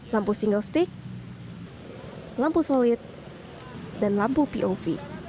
lampu single stick lampu solid dan lampu pov